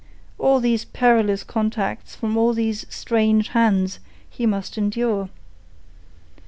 And these perilous contacts from all these strange hands he must endure.